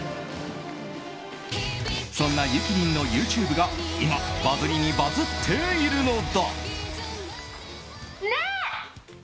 そんなゆきりんのＹｏｕＴｕｂｅが今、バズりにバズっているのだ。